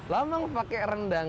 lemang pakai rendang